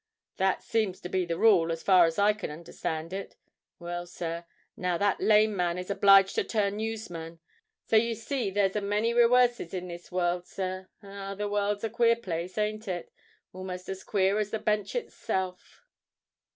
That seems to be the rule, as far as I can understand it. Well, sir—now that lame man is obliged to turn newsman; so you see there's a many rewerses in this world, sir. Ah! the world's a queer place, ain't it?—almost as queer as the Bench itself!"